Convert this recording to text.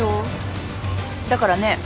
だからね